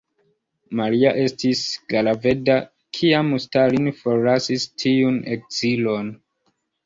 Maria estis graveda, kiam Stalin forlasis tiun ekzilon.